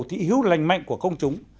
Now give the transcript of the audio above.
thị hữu lành mạnh của công chúng